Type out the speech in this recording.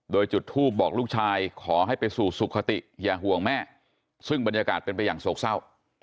โดยจุดทูปบอกลูกชายขอให้ไปสู่สุขติอย่าห่วงแม่ซึ่งบรรยากาศเป็นไปอย่างโศกเศร้า